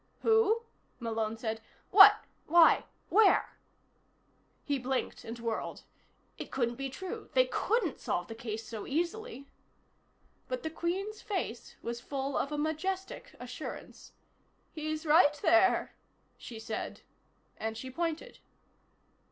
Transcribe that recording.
"Who?" Malone said. "What? Why? Where?" He blinked and whirled. It couldn't be true. They couldn't solve the case so easily. But the Queen's face was full of a majestic assurance. "He's right there," she said, and she pointed.